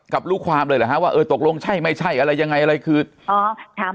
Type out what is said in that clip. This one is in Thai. กับลูกความเลยว่าตกลงใช่ไม่ใช่อะไรยังไงอะไรคือถาม